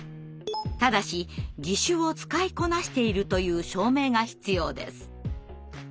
ただし「義手を使いこなしている」という証明が必要です。